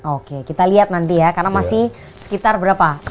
oke kita lihat nanti ya karena masih sekitar berapa